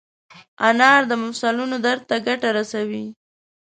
انار د مفصلونو درد ته ګټه رسوي.